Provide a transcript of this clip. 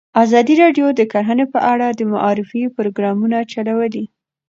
ازادي راډیو د کرهنه په اړه د معارفې پروګرامونه چلولي.